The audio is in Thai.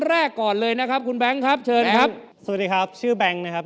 วันนี้เราคัดแต่ผู้ชายที่มือสวยทั้งนั้นมา